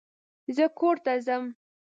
زه کور ته ځم.